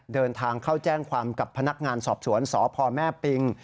เดินทางเข้าแจ้งความกับพนักงานสอบสวนสพแม่ปิง